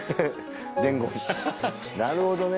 伝言なるほどね